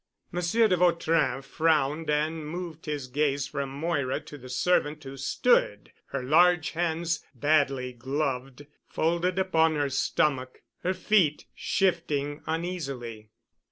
Monsieur de Vautrin frowned and moved his gaze from Moira to the servant who stood, her large hands, badly gloved, folded upon her stomach, her feet shifting uneasily.